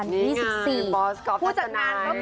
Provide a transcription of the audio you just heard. บอสก๊อฟทัศนาย